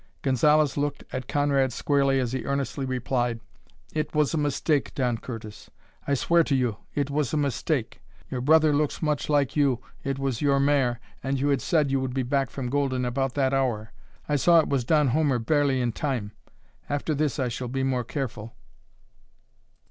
Gonzalez looked at Conrad squarely as he earnestly replied: "It was a mistake, Don Curtis; I swear to you it was a mistake. Your brother looks much like you, it was your mare, and you had said you would be back from Golden about that hour. I saw it was Don Homer barely in time. After this I shall be more careful."